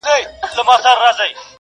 کروندې يې د کهاله څنگ ته لرلې-